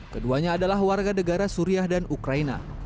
keduanya adalah warga negara suriah dan ukraina